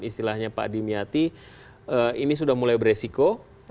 istilahnya pak dimyati ini sudah mulai beresiko